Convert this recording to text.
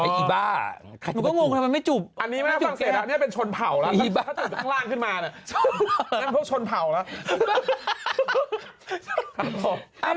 อันนี้มันเป็นชนเผาแล้วถ้าจุดข้างล่างขึ้นมานั่นพวกชนเผาแล้ว